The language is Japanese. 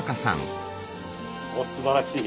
おおすばらしい。